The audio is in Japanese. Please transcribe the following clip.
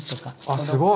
あすごい！